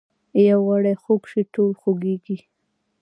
یو غړی خوږ شي ټول خوږیږي